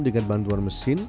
dengan bantuan mesin